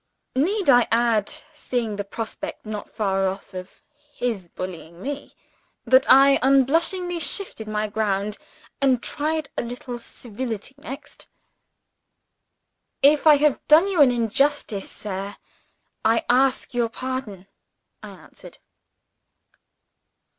Need I add (seeing the prospect not far off of his bullying me), that I unblushingly shifted my ground, and tried a little civility next? "If I have done you an injustice, sir, I ask your pardon," I answered.